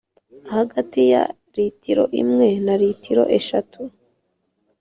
Hagati ya litiro imwe na litiro eshatu